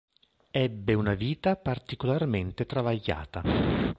Ebbe una vita particolarmente travagliata.